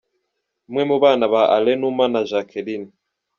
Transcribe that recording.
Umwe mu bana ba Alain Numa na Jacqueline.